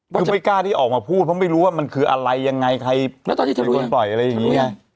คือไม่กล้าที่ออกมาพูดเพราะไม่รู้ว่ามันคืออะไรยังไงใครเป็นคนปล่อยอะไรอย่างงี้